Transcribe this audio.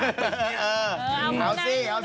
เออมูนายท์